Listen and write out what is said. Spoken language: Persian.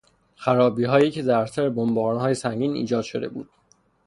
خرابیهایی که در اثر بمبارانهای سنگین ایجاد شده بود